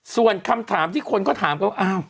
ส่วนคำถามที่คนก็ถามเขาว่าอ้าว